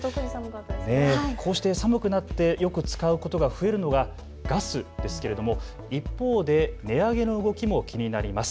こうして寒くなってよく使うことが増えるのがガスですけれども一方で値上げの動きも気になります。